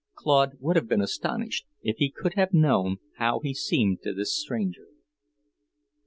Claude would have been astonished if he could have known how he seemed to this stranger.